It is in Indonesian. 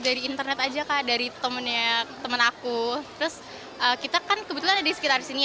dari internet aja kak dari temennya temen aku terus kita kan kebetulan ada di sekitar sini